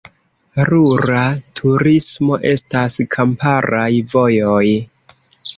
Rura turismo: estas kamparaj vojoj.